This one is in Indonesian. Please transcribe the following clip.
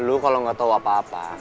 lo kalau gak tau apa apa